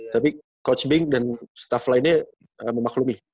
tapi coach bank dan staff lainnya memaklumi